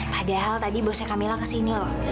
padahal tadi bosnya camilla kesini loh